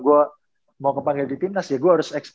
gue mau kepanggil di timnas ya gue harus